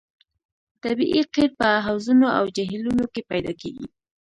طبیعي قیر په حوضونو او جهیلونو کې پیدا کیږي